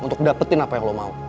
untuk dapetin apa yang lo mau